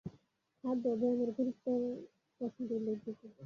খাদ্য ও ব্যায়ামের গুরুতর প্রশ্নটি উল্লেখযোগ্য।